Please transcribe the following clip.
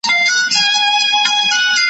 کشکي دا اول عقل اخير واى.